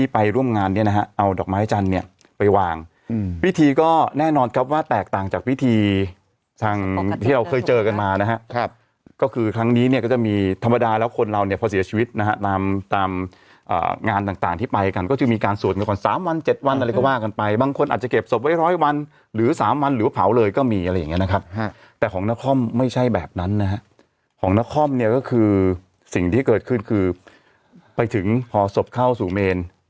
ไปวางวิธีก็แน่นอนครับว่าแตกต่างจากวิธีที่เราเคยเจอกันมานะครับก็คือครั้งนี้เนี่ยก็จะมีธรรมดาแล้วคนเราเนี่ยพอเสียชีวิตนะฮะตามงานต่างที่ไปกันก็จะมีการสวดกัน๓วัน๗วันอะไรก็ว่ากันไปบางคนอาจจะเก็บศพไว้๑๐๐วันหรือ๓วันหรือเผาเลยก็มีอะไรอย่างเงี้ยนะครับแต่ของนครไม่ใช่แบบนั้นนะฮะของน